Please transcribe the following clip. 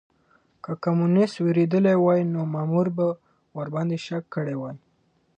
که کمونيسټ وېرېدلی وای نو مامور به ورباندې شک کړی وای.